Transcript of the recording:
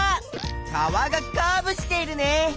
川がカーブしているね！